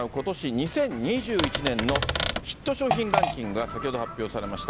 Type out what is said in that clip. ・２０２１年のヒット商品ランキングが先ほど発表されました。